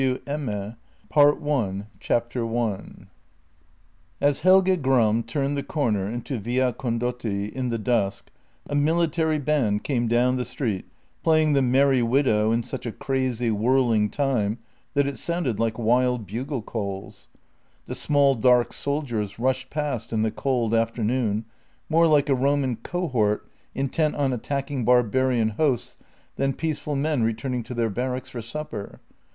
org/details/jenny01unds I A S Helge Gram turned the comer into Via Condotti in the dusk a military band came down the street playing " The Merry Widow " in such a crazy, whirl ing time that it sounded like wild bugle calls. The small, dark soldiers rushed past in the cold afternoon, more like a Roman cohort intent on attacking barbarian hosts than peaceful men returning to their barracks for supper.